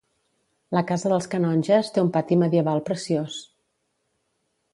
La Casa dels Canonges té un pati medieval preciós.